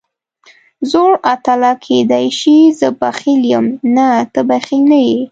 زوړ اتله، کېدای شي زه بخیل یم، نه ته بخیل نه یې.